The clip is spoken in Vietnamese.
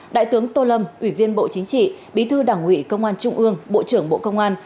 đại tướng tô lâm ủy viên bộ chính trị bí thư đảng ủy công an trung ương bộ trưởng bộ công an